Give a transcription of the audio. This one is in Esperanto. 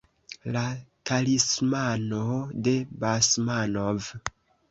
La talismano de Basmanov.